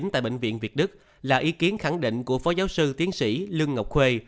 tại bệnh viện việt đức là ý kiến khẳng định của phó giáo sư tiến sĩ lương ngọc khuê